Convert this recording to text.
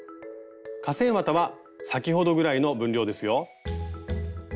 化繊綿は先ほどぐらいの分量ですよ。